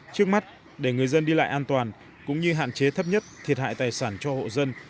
trước mắt để người dân đi lại an toàn cũng như hạn chế thấp nhất thiệt hại tài sản cho hộ dân